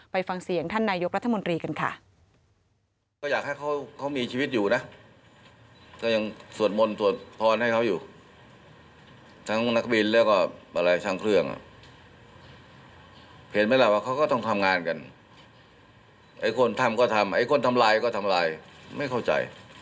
ฟังเสียงท่านนายกรัฐมนตรีกันค่ะ